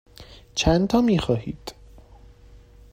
چندتا می خواهید؟